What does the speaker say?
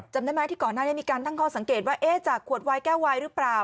จำได้ไหมที่ก่อนหน้านี้มีการตั้งข้อสังเกตว่าจากขวดวายแก้ววายหรือเปล่า